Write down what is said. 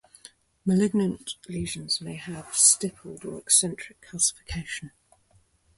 Malignant lesions may have stippled or eccentric calcification.